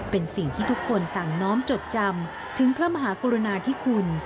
เป็นสิ่งที่ทุกคนต่างน้อมจดจำถึงพระมหากรุณาธิคุณ